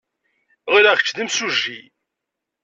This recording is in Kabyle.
Ɣileɣ kečč d imsujji.